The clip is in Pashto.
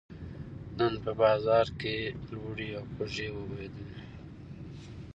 نن په باران کې لوړې او ځوړې وبهېدلې